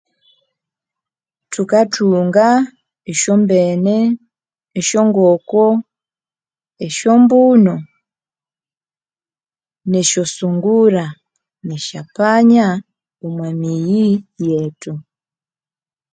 Tukatunga esyombene esyokoko esyombunu nesyasungura nesyapanya omwamiyi yetu